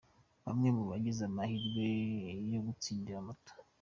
Bamwe mu bagize amahirwe yo gutsindira Moto.